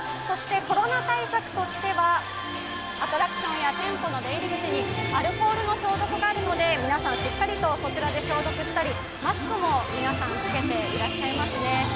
コロナ対策としては、アトラクションや店舗の出入り口のアルコールの消毒があるので皆さん、しっかりとそちらで消毒したり、マスクも皆さん着けていらっしゃいますね。